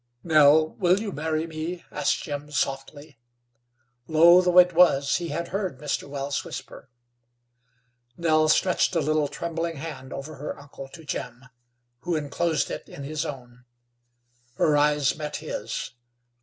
"Nell, will you marry me?" asked Jim, softly. Low though it was, he had heard Mr. Wells' whisper. Nell stretched a little trembling hand over her uncle to Jim, who inclosed it in his own. Her eyes met his.